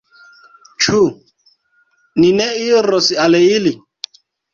Ĉu ni ne iros al ili?